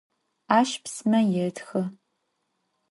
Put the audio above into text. Aş pisme yêtxı.